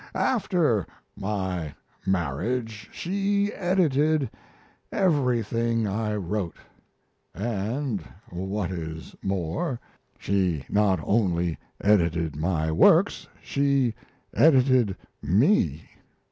After my marriage, she edited everything I wrote. And what is more she not only edited my works, she edited ME!